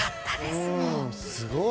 すごい。